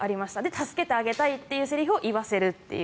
助けてあげたいというセリフを言わせるという。